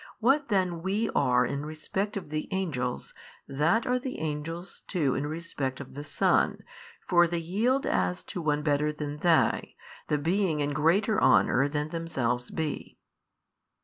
What then we are in respect of the angels, that are the angels too in respect of the Son; for they yield as to one better than they, the being in greater honour than themselves be."